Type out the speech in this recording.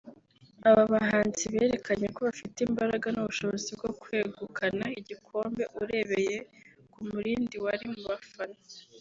Aba bahanzi berekanye ko bafite imbaraga n’ubushobozi bwo kwegukana igikombe urebeye ku murindi wari mu bafana